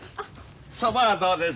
そばどうです？